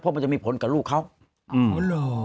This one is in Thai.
เพราะมันจะมีผลกับลูกเขาเพราะมันจะมีผลกับลูกเขา